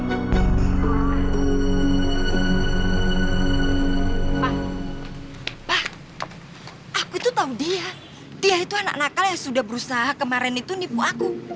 pak aku itu tahu dia dia itu anak nakal yang sudah berusaha kemarin itu nipu aku